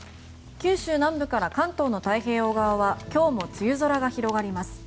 九州南部から関東の太平洋側は今日も梅雨空が広がります。